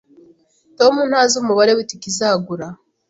Tom ntazi umubare w'itike izagura